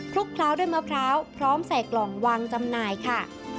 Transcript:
ลุกเคล้าด้วยมะพร้าวพร้อมใส่กล่องวางจำหน่ายค่ะ